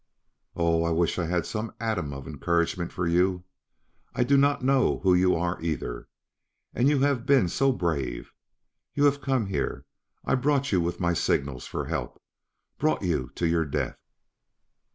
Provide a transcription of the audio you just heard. Oh, I wish I had some atom of encouragement for you! I do not know who you are either and you have been so brave! You have come here, I brought you with my signals for help brought you to your death.